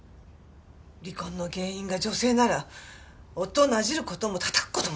離婚の原因が女性なら夫をなじる事もたたく事も出来る。